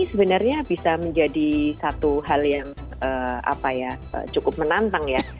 sebenarnya bisa menjadi satu hal yang cukup menantang ya